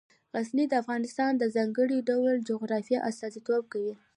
غزني د افغانستان د ځانګړي ډول جغرافیه استازیتوب کوي.